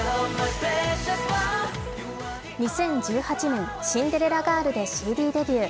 ２０１８年、「シンデレラガール」でＣＤデビュー。